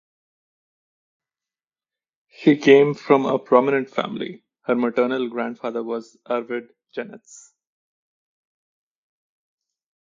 She came from a prominent family; her maternal grandfather was Arvid Genetz.